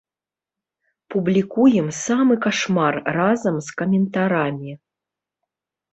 Публікуем самы кашмар разам з каментарамі.